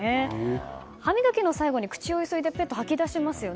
歯磨きの最後に口をゆすいで吐き出しますよね。